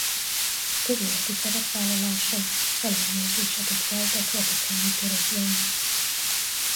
Közéleti szerepvállalása ellenérzéseket keltett vatikáni körökben.